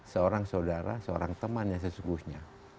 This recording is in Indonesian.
seorang saudara seorang teman yang sesungguhnya